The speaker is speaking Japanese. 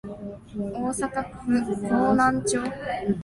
大阪府河南町